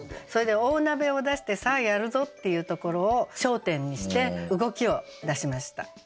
それで大鍋を出して「さあやるぞ！」っていうところを焦点にして動きを出しました。